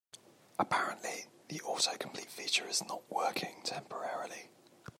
Apparently, the autocomplete feature is not working temporarily.